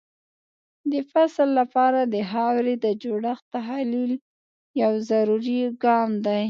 د فصل لپاره د خاورې د جوړښت تحلیل یو ضروري ګام دی.